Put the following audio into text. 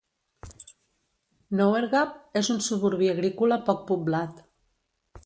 Nowergup és un suburbi agrícola poc poblat.